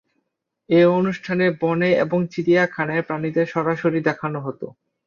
এই অনুষ্ঠানে বনে এবং চিড়িয়াখানায় প্রাণীদের সরাসরি দেখানো হতো।